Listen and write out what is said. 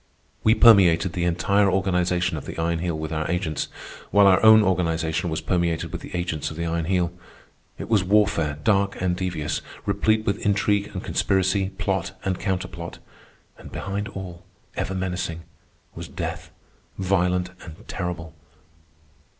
We permeated the entire organization of the Iron Heel with our agents, while our own organization was permeated with the agents of the Iron Heel. It was warfare dark and devious, replete with intrigue and conspiracy, plot and counterplot. And behind all, ever menacing, was death, violent and terrible.